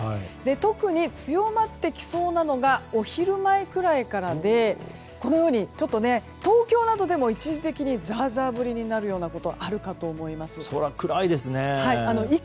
特に、強まってきそうなのがお昼前くらいからでこのようにちょっと東京などでも一時的にザーザー降りになるようなことがあるかと思います。